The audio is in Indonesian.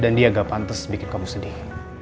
dan dia tidak pantas membuat kamu sedih